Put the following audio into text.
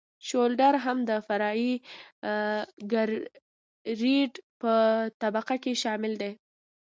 شولډر هم د فرعي ګریډ په طبقه کې شامل دی